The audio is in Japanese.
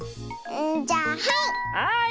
じゃあはい！